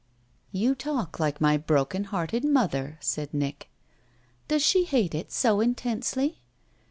"You talk like my broken hearted mother," said Nick. "Does she hate it so intensely?"